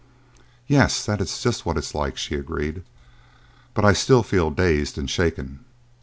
"Yes; that is just what it is like," she agreed; "but I still feel dazed and shaken."